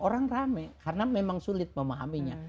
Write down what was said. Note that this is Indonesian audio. orang rame karena memang sulit memahaminya